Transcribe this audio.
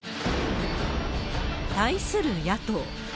対する野党。